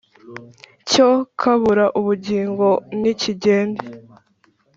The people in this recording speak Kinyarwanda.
cyo kabura ubugingo nikigende